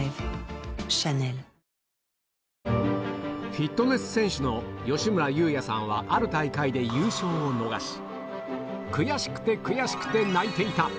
フィットネス選手の吉村裕也さんはある大会で悔しくて悔しくて泣いていた